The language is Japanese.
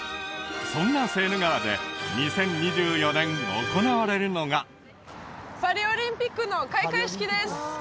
そんなセーヌ川で２０２４年行われるのがパリオリンピックの開会式です